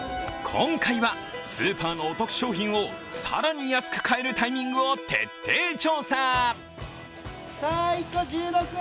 今回はスーパーのお得商品を更に安く買えるタイミングを徹底調査。